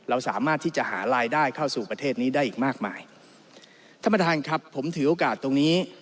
ผมถือโอกาสตรงนี้